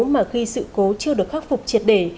mà khi sự cố chưa được khắc phục triệt đề